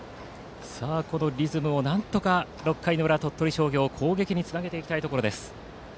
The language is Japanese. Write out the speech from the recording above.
このリズムをなんとか鳥取商業は攻撃につなげていきたいところです。